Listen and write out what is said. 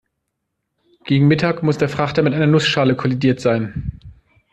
Gegen Mittag muss der Frachter mit einer Nussschale kollidiert sein.